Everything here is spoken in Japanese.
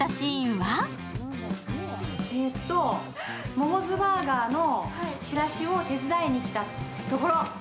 モモズバーガーのチラシを手伝いに来たところ？